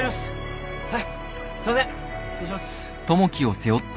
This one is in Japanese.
はいすいません失礼します。